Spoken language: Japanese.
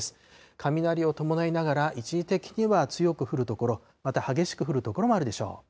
雷を伴いながら、一時的には強く降る所、また激しく降る所もあるでしょう。